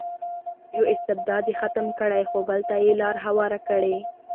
یو استبداد یې ختم کړی خو بل ته یې لار هواره کړې.